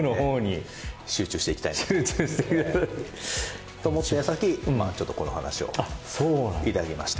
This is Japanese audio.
集中していきたいなと。と思った矢先まあちょっとこの話をいただきまして。